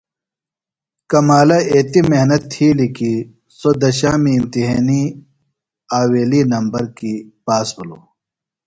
کمالہ ایتی محنت تِھیلیۡ کیۡ سوۡ دشامی امتحینیۡ آویلی نمر کیۡ پاس بِھلوۡ۔